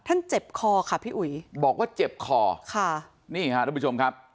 ท่านเจ็บคอค่ะพี่อุยบอกว่าเจ็บคอนี่ค่ะท่านผู้ชมครับ